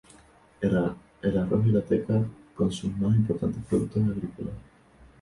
El arroz y la teca son sus más importantes productos agrícolas.